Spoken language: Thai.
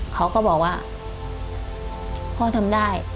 เขาก็บอกว่าพ่อทำได้